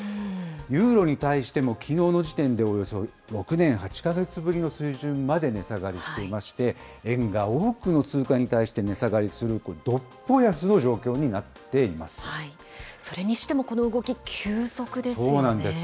ユーロに対しても、きのうの時点でおよそ６年８か月ぶりの水準まで値下がりしていまして、円が多くの通貨に対して値下がりするという独歩安の状況になってそれにしても、この動き、急そうなんです。